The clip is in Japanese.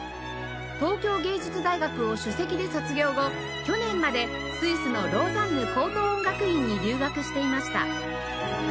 東京藝術大学を首席で卒業後去年までスイスのローザンヌ高等音楽院に留学していました